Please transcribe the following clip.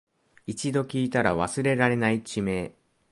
一度聞いたら忘れられない地名